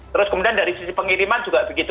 terus kemudian dari sisi pengiriman juga begitu